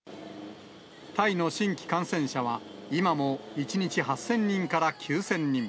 タイの新規感染者は、今も１日８０００人から９０００人。